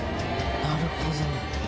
なるほど。